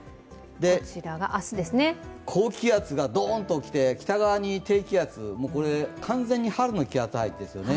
高気圧がドンと来て、北側に低気圧完全に春の気圧配置ですよね。